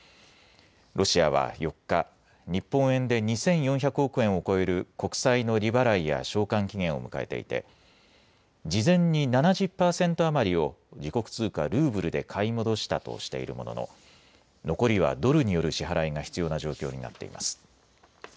ロシアは４日、日本円で２４００億円を超える国債の利払いや償還期限を迎えていて事前に７０％余りを自国通貨ルーブルで買い戻したとしているものの残りはドルによる支払いが必要な状況になっています。